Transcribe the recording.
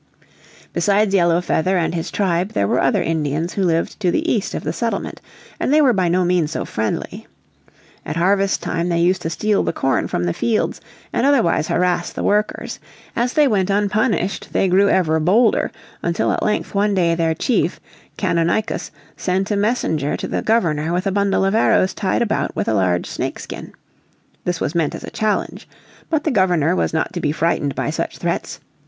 Besides Yellow Feather and his tribe there were other Indians who lived to the east of the settlement, and they were by no means so friendly. At harvest time they used to steal the corn from the fields and otherwise harass the workers. As they went unpunished they grew ever bolder until at length one day their chief, Canonicus, sent a messenger to the Governor with a bundle of arrows tied about with a large snakeskin. This was meant as a challenge. But the Governor was not to be frightened by such threats.